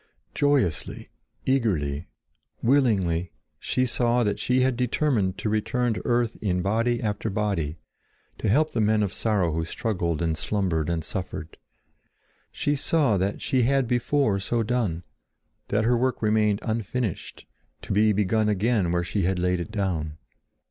Joyously, eagerly, willingly, she saw that she had determined to return to earth in body after body, to help the men of sorrow who struggled and slumbered and suffered. She saw that she had before so done; that her work remained unfinished, to be begun again where she had laid it down.